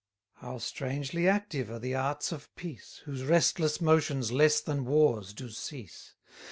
How strangely active are the arts of peace, Whose restless motions less than war's do cease!